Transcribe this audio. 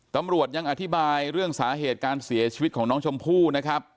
ตำรวจยังอธิบายเรื่องสาเหตุการเสียชีวิตของน้องชมพู่นะครับ